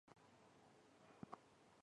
这条铁路被称为或。